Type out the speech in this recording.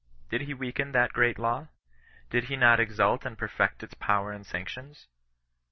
Did he weaken that great law ? Did he not exalt and perfect its power and sanctions